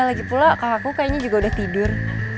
lagipula kakakku kayaknya juga udah tidur